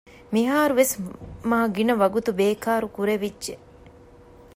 މިހާރުވެސް މާގިނަ ވަގުތު ބޭކާރު ކުރެވިއްޖެ